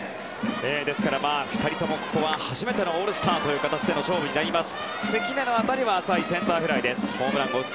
ですから、２人ともここは初めてのオールスターという形での勝負になります。